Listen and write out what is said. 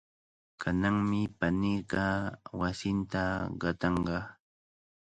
Kananmi paniiqa wasinta qatanqa.